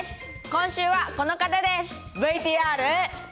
今週はこの方です。